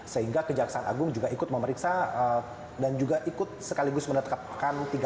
sehingga kejaksaan agung juga ikut memeriksa dan juga ikut sekaligus menetapkan